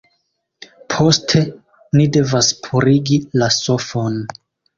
Poste, ni devas purigi la sofon